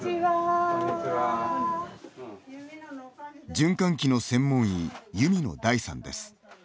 循環器の専門医、弓野大さんです。